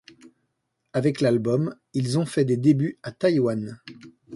Avec l'album ils ont fait des débuts à Taïwan.